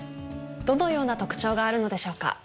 どのような特徴があるのでしょうか？